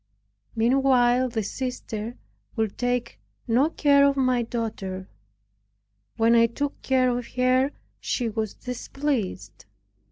Meanwhile the sister would take no care of my daughter; when I took care of her she was displeased.